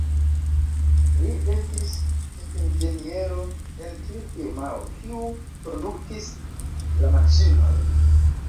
Li estis ĉefinĝeniero en tiu firmao, kiu produktis la maŝinojn.